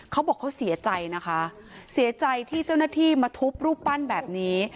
เขาบอกเขาเสียใจนะคะเสียใจที่เจ้าหน้าที่มาทุบรูปปั้นแบบนี้